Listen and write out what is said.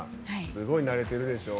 すごい慣れてるでしょ？